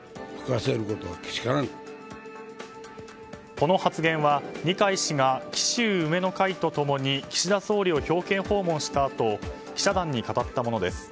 この発言は二階氏が紀州梅の会と共に岸田総理を表敬訪問したあと記者団に語ったものです。